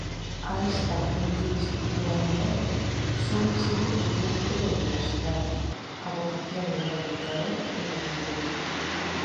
A esta multidisciplinariedade súmaselle outro tipo de diversidade: a vocación globalizadora e cosmopolita.